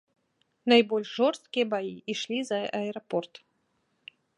Найбольш жорсткія баі ішлі за аэрапорт.